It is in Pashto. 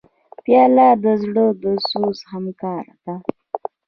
پیاله د زړه د سوز همکار ده.